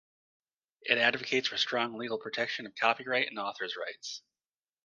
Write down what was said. It advocates for strong legal protection of copyright and authors' rights.